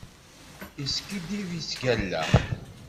Yeskiddib, yettgalla.